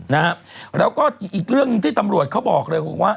แล้วก็อีกเรื่องที่ตำรวจเขาบอกเลยว่า